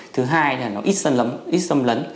thứ hai là nó ít sâm lấn